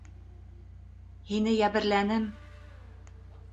Һине йәберләнем...